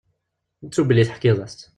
Ttu belli teḥkiḍ-as-tt.